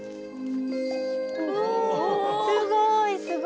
おすごいすごい！